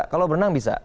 kalau berenang bisa